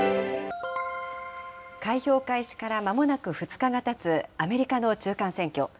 開票開始からまもなく２日がたつアメリカの中間選挙。